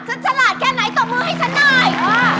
ฉันฉลาดแค่ไหนตกมือให้ฉันได้